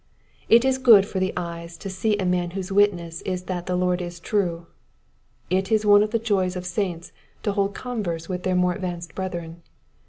It is good for the eyes to see a man whose witness is that the Lord is true ; it is one of the joys of saints to hold converse with their more advanced brethren.